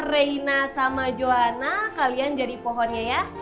reina sama joana kalian jadi pohonnya ya